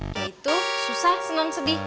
yaitu susah senang sedih